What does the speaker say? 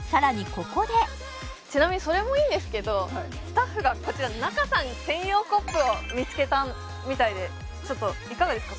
ここでちなみにそれもいいんですけどスタッフがこちら仲さん専用コップを見つけたみたいでちょっといかがですか？